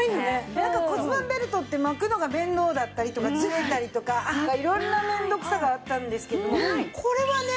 骨盤ベルトってまくのが面倒だったりとかずれたりとか色んな面倒くささがあったんですけどもこれはね